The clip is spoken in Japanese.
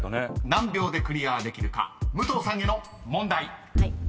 ［何秒でクリアできるか］［武藤さんへの問題］